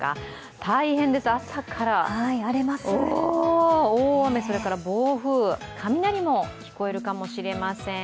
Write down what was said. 大変です、朝から大雨、暴風雷も聞こえるかもしれません。